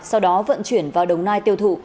sau đó vận chuyển vào đồng nai tiêu thụ